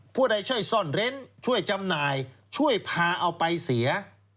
ผู้ใดช่วยซ่อนเร้นช่วยจำหน่ายช่วยพาเอาไปเสีย